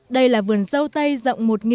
đây là vườn dâu tây